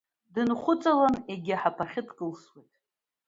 Дынхәыҵаланы егьи аҳаԥахьы дкылсуеит.